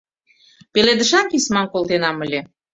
Пеледышан письмам колтенам ыле